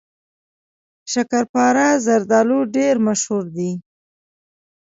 شکرپاره زردالو ډیر مشهور دي.